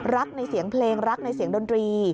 ในเสียงเพลงรักในเสียงดนตรี